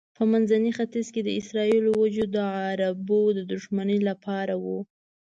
په منځني ختیځ کې د اسرائیلو وجود د عربو د دښمنۍ لپاره و.